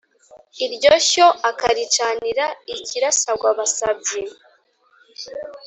iryo shyo akaricanira i kirasagwa-basabyi.